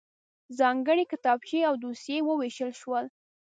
ځانګړی کتابچې او دوسيې وویشل شول.